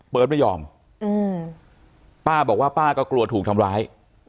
ไม่ยอมป้าบอกว่าป้าก็กลัวถูกทำร้าย